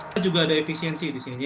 kita juga ada efisiensi di sini